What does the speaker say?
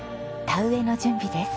田植えの準備です。